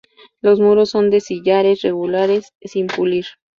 Los muros son de sillares regulares sin pulir.